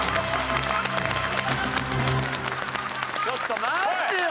ちょっと待ってよ